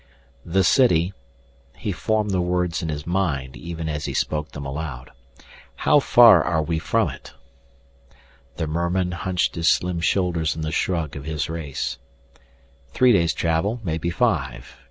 "The city " He formed the words in his mind even as he spoke them aloud. "How far are we from it?" The merman hunched his slim shoulders in the shrug of his race. "Three days' travel, maybe five.